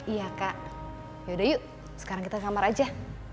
iya kak yaudah yuk sekarang kita kamar aja